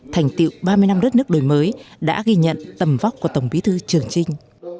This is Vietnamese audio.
thành tiệu ba mươi năm đất nước đổi mới đã ghi nhận tầm vóc của tổng bí thư trường trinh